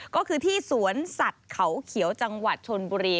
ก็คือที่สวนสัตว์เขาเขียวจังหวัดชนบุรี